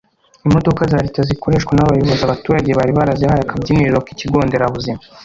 Imodoka za Leta zikoreshwa n’aba bayobozi abaturage bari barazihaye akabyiniriro k’“Ikigonderabuzima“